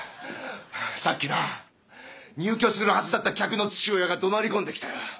さっきな入居するはずだった客の父親がどなり込んできたよ。